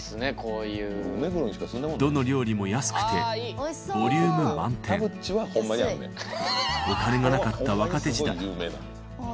どの料理も安くてボリューム満点お金がなかったここロケで行ったな。